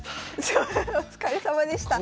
お疲れさまでした。